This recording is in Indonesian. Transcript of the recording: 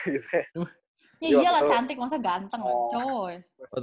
iya lah cantik masa ganteng lah